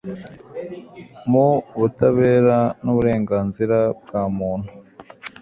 mu butabera n'uburenganzira bwa muntu